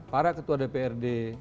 para ketua dprd